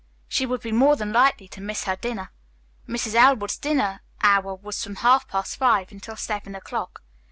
She would be more than likely to miss her dinner. Mrs. Elwood's dinner hour was from half past five until seven o'clock.